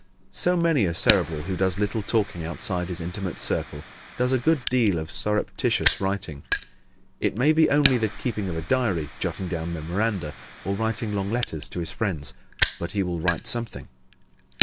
So, many a Cerebral who does little talking outside his intimate circle does a good deal of surreptitious writing. It may be only the keeping of a diary, jotting down memoranda or writing long letters to his friends, but he will write something.